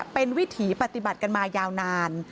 เป็นวิถีปฏิบัติกันมายาวนาน